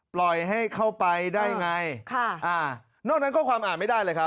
ปล่อยให้เข้าไปได้ไงค่ะอ่านอกนั้นข้อความอ่านไม่ได้เลยครับ